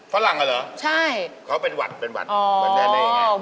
ฝรั่งเหรอเขาเป็นหวัดเป็นหวัดหวัดแน่อย่างนั้น